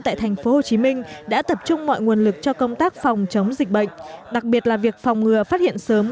tại tp hcm đã tập trung mọi nguồn lực cho công tác phòng chống dịch bệnh đặc biệt là việc phòng ngừa phát hiện sớm